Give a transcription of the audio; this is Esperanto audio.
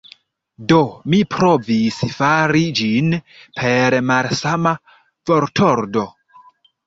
Do, mi provis fari ĝin per malsama vortordo.